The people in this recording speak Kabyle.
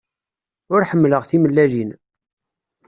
Ur ḥemmleɣ timellalin.